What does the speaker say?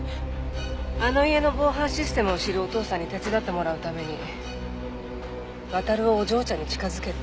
あの家の防犯システムを知るお父さんに手伝ってもらうために亘をお嬢ちゃんに近づけた。